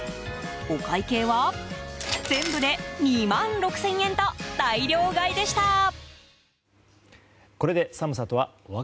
お会計は、全部で２万６０００円と大量買いでした。